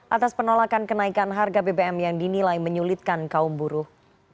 atas penolakan kenaikan harga bbm yang dinilai menyulitkan kaum buruh